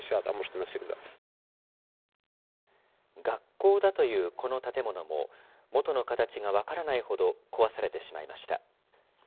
学校だというこの建物も、元の形が分からないほど壊されてしまいました。